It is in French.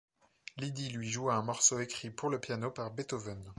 Lydie lui joua un morceau écrit, pour le piano, par Beethoven.